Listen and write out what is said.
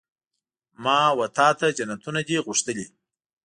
ما وتا ته جنتونه دي غوښتلي